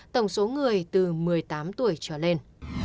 tổng số người từ một mươi tám tuổi trở lên